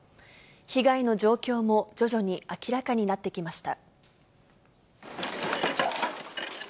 被害の状況も徐々に明らかになってきました。